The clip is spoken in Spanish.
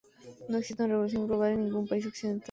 No existe una regulación global en ningún país occidental.